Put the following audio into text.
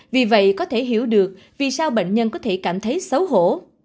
vì vậy có thể hiểu được vì sao bệnh nhân có thể cảm thấy xấu hổ